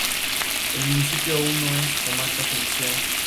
El municipio aún no es comarca judicial.